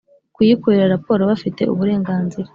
Kuyikorera raporo bafite uburengazira